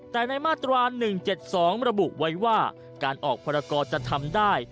แต่ในมาตรา๑๗๒ระบุไว้ว่าการออกพรกรจะทำได้